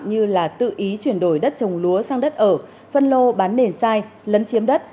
như là tự ý chuyển đổi đất trồng lúa sang đất ở phân lô bán nền sai lấn chiếm đất